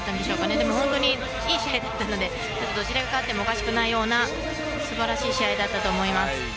でも、本当にいい試合だったのでどちらが勝ってもおかしくない素晴らしい試合だったと思います。